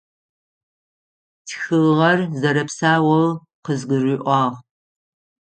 Тхыгъэр зэрэпсаоу къызгурыӏуагъ.